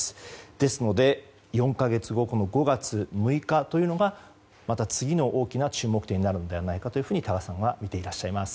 ですので、４か月後５月６日というのがまた次の大きな注目点になるのではと多賀さんは見ていらっしゃいます。